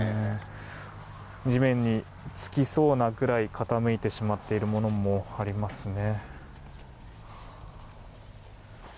地面につきそうなくらい傾いてしまっているものもありますね。